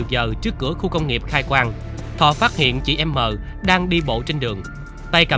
được tuyên cho quý